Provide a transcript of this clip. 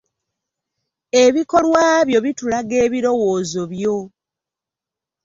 Ebikolwa byo bitulaga ebirowoozo byo.